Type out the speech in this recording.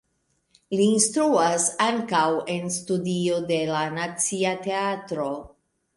Li instruas ankaŭ en studio de la Nacia Teatro.